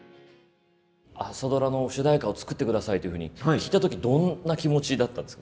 「朝ドラ」の主題歌を作ってくださいというふうに聞いた時どんな気持ちだったんですか？